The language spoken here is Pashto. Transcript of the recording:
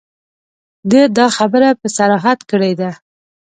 ده دا خبره په صراحت کړې ده.